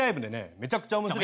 めちゃくちゃ面白い。